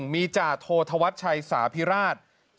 มีจ่าโทษธวัชชัยสาพิราช